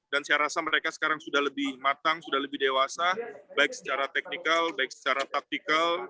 dan saya rasa mereka sekarang sudah lebih matang sudah lebih dewasa baik secara teknikal baik secara taktikal